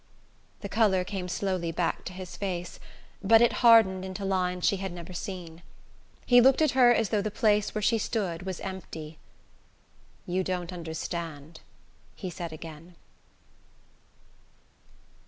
The colour came slowly back to his face, but it hardened into lines she had never seen. He looked at her as though the place where she stood were empty. "You don't understand," he said again.